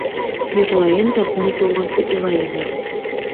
Йырлайым да күңел тулғансы илайым әле.